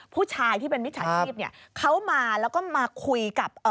ผู้ชายที่เป็นมิจฉาชีพเนี่ยเขามาแล้วก็มาคุยกับเอ่อ